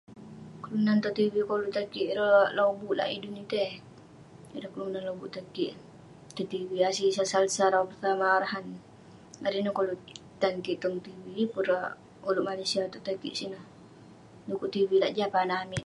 kelunan tong tv koluk tan kik ireh lobuk lak idun etei, ireh kelunan lobuk tan kik tong tv,Azizah Salsha rawah Pratama Arhan ,ireh ineh koluk tan kik tong tv ,yeng pun ireh ulouk Malaysia itouk tan kik sineh, du'kuk tv lak jeh peh anah amik